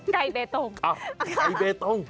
ไก่เบตง